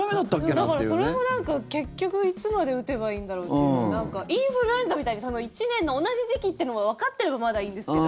だからそれも、結局いつまで打てばいいんだろうってインフルエンザみたいに１年の同じ時期っていうのがわかっていればまだいいんですけど。